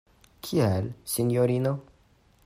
Kial, sinjorino?